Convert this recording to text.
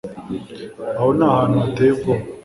Aha ni ahantu hateye ubwoba